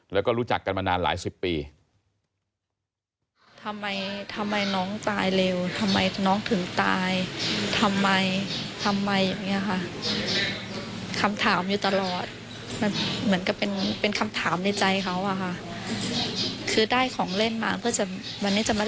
แล้วก็รู้จักกันมานานหลายสิบปี